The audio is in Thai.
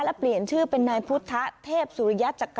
และเปลี่ยนชื่อเป็นนายพุทธห์เทพสุรญัติจักรวรรณ